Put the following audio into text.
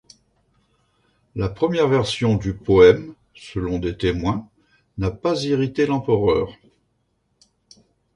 La première version du poème, selon des témoins, n'a pas irrité l'empereur.